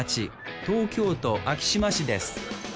東京都昭島市です